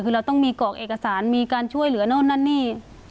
คือเราต้องมีกรอกเอกสารมีการช่วยเหลือโน่นนั่นนี่